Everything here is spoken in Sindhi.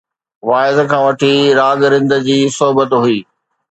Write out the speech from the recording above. واعظ کان وٺي، راڳ رند جي صحبت هئي